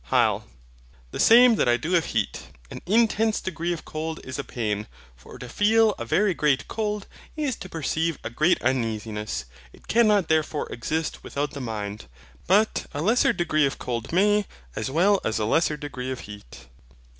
HYL. The same that I do of heat. An intense degree of cold is a pain; for to feel a very great cold, is to perceive a great uneasiness: it cannot therefore exist without the mind; but a lesser degree of cold may, as well as a lesser degree of heat.